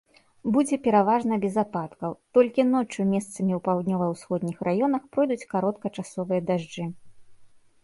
Будзе пераважна без ападкаў, толькі ноччу месцамі ў паўднёва-ўсходніх раёнах пройдуць кароткачасовыя дажджы.